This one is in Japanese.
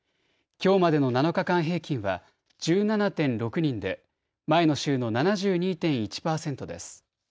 きょうまでの７日間平均は１７．６人で前の週の７２．１％です。